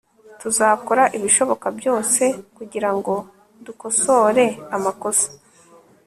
Tuzakora ibishoboka byose kugirango dukosore amakosa